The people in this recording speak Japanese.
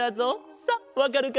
さあわかるかな？